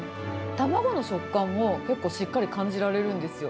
卵の食感も、結構しっかり感じられるんですよ。